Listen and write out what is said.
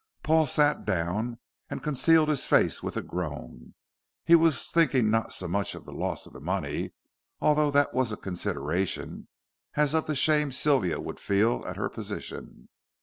Paul sat down and concealed his face with a groan. He was thinking not so much of the loss of the money, although that was a consideration, as of the shame Sylvia would feel at her position.